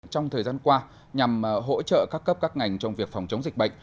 trong thời gian qua nhằm hỗ trợ các cấp các ngành trong việc phòng chống dịch bệnh